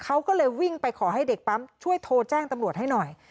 เขาก็เลยวิ่งไปขอให้เด็กปั๊มช่วยโทรแจ้งตำรวจให้หน่อย